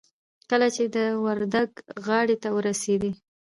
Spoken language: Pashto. کله چې د ورد غاړې ته ورسېدو.